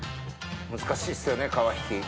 難しいっすよね皮引き。